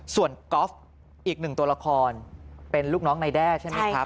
ส่วนก๊อฟอีกหนึ่งตัวละครเป็นลูกน้องนายแด้ใช่ไหมครับ